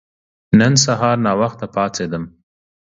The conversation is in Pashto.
نن سهار ناوخته پاڅیدم.